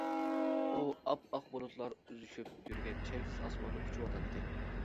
ئۇ ئاپئاق بۇلۇتلار ئۈزۈشۈپ يۈرگەن چەكسىز ئاسماندا ئۇچۇۋاتاتتى.